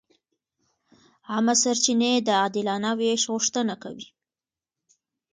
عامه سرچینې د عادلانه وېش غوښتنه کوي.